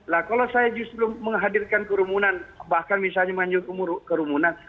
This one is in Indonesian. lah kalau saya justru menghadirkan kerumunan bahkan misalnya kerumunan